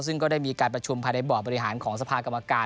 ซึ่งก็ได้มีการประชุมภายในบ่อบริหารของสภากรรมการ